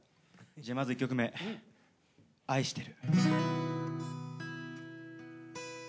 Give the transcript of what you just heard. じゃあまず１曲目『愛してる』。